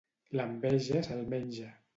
L'enveja se'l menja.